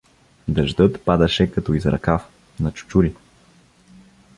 Дъждът падаше като из ръкав, на чучури.